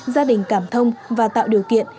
gia đình cảm thông và tạo điều kiện